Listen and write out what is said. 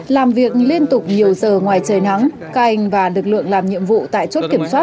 làm việc liên tục nhiều giờ ngoài trời nắng các anh và lực lượng làm nhiệm vụ tại chốt kiểm soát